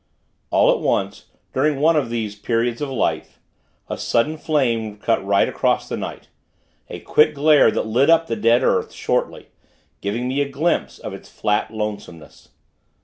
All at once, during one of these periods of life, a sudden flame cut across the night a quick glare that lit up the dead earth, shortly; giving me a glimpse of its flat lonesomeness.